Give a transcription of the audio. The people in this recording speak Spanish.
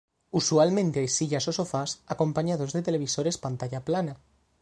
Usualmente hay sillas o sofás acompañados de televisores pantalla plana.